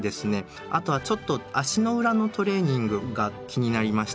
あとはちょっと足の裏のトレーニングが気になりました。